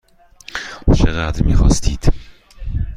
چقدر میخواستید؟